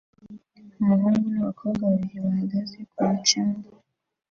Umuhungu n'abakobwa babiri bahagaze ku mucanga